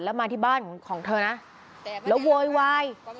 แล้วมาที่บ้านของเธอนะแล้วโวยวาย